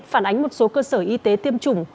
phản ánh một số cơ sở y tế tiêm chủng